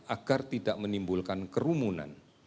agar tidak menimbulkan kerumunan